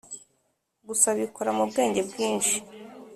Gusa abikora mu bwenge bwinshi